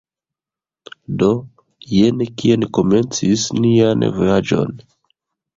Do, jen kie ni komencis nian vojaĝon